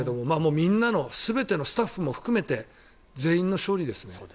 みんなの全てのスタッフも含めて全員の勝利ですね。